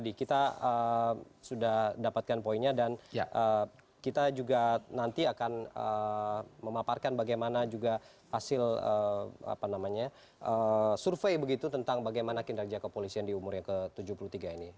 di kita sudah dapatkan poinnya dan kita juga nanti akan memaparkan bagaimana juga hasil survei begitu tentang bagaimana kinerja kepolisian di umur yang ke tujuh puluh tiga ini